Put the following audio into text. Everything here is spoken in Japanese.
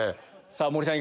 森さん